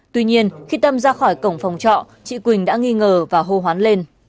tuy nhiên khi tâm ra khỏi cổng phòng trọ chị quỳnh đã nghi ngờ và hô hoán lên